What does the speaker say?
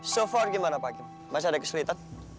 so far gimana pak masih ada kesulitan